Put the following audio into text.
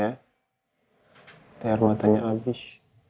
nanti hermatanya abis